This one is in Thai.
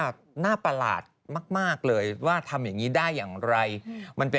ใช่ไหม